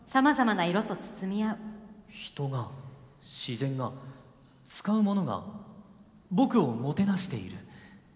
人が自然が使うものが僕をもてなしている。